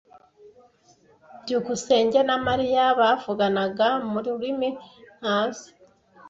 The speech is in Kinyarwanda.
byukusenge na Mariya bavuganaga mu rurimi ntazi.